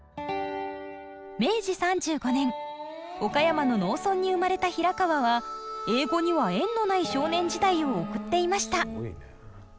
明治３５年岡山の農村に生まれた平川は英語には縁のない少年時代を送っていました。